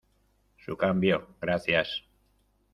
Su cambio, gracias.